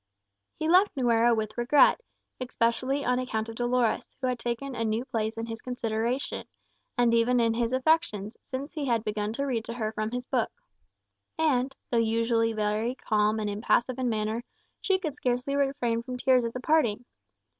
He left Nuera with regret, especially on account of Dolores, who had taken a new place in his consideration, and even in his affections, since he had begun to read to her from his Book. And, though usually very calm and impassive in manner, she could scarcely refrain from tears at the parting.